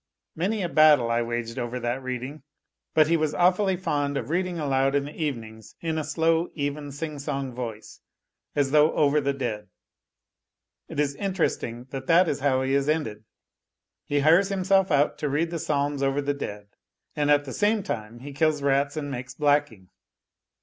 Many a battle I waged over that reading ! But he was awfully fond of reading aloud in the evenings, in a slow, even, sing song voice, as though over the dead. It is interesting that that is how he has ended : ho hires himself out to read the psalms over the dead, and at the same time he kills rats and makes blacking.